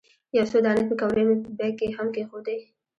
یو څو دانې پیکورې مې په بیک کې هم کېښودې.